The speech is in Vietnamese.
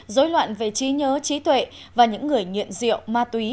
dối loạn về trí nhớ trí tuệ và những người nghiện rượu ma túy